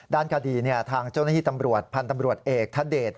ด้านคดีทางเจ้าหน้าที่ตำรวจพันธ์ตำรวจเอกทเดช